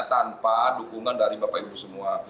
tanpa dukungan dari bapak ibu semua